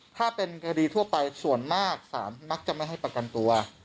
ถ้าเป็นคดีทั่วไปส่วนมากศาลมักจะไม่ให้ประกันตัว